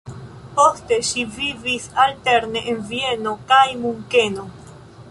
Poste ŝi vivis alterne en Vieno kaj Munkeno.